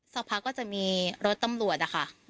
สักพักก็จะมีรถตำรวจนะคะ